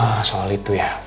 ah soal itu ya